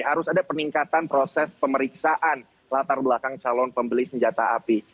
harus ada peningkatan proses pemeriksaan latar belakang calon pembeli senjata api